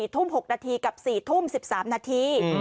ทุ่ม๖นาทีกับ๔ทุ่ม๑๓นาที